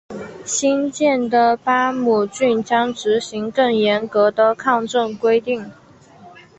新建的巴姆郡将执行更严格的抗震规定。